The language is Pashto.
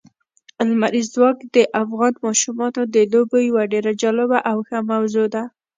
لمریز ځواک د افغان ماشومانو د لوبو یوه ډېره جالبه او ښه موضوع ده.